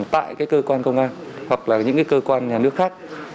tại cơ quan công an hoặc là những cơ quan nhà nước khác